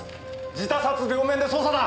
自他殺両面で捜査だ！